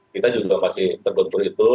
kita juga masih terbentur itu